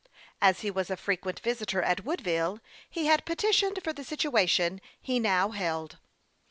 As he was a frequent visitor at Woodville, he had pe titioned for the situation he now held.